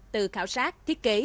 từ khảo sát thiết kế